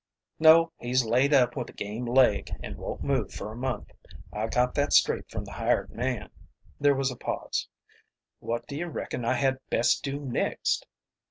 "No, he's laid up with a game leg, and won't move for a month. I got that straight from the hired man." There was a pause. "What do you reckon I had best do next?"